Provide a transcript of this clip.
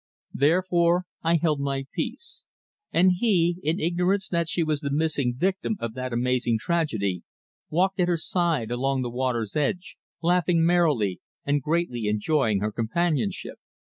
Therefore I held my peace, and he, in ignorance that she was the missing victim of that amazing tragedy, walked at her side along the water's edge, laughing merrily, and greatly enjoying her companionship.